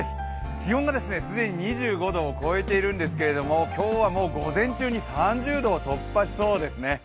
気温が既に２５度を超えているんですけれども今日はもう午前中に３０度を突破しそうですね。